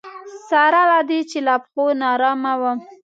سره له دې چې له پښو ناارامه وم.